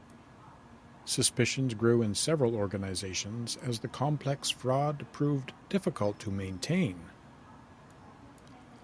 Suspicions grew in several organisations as the complex fraud proved difficult to maintain.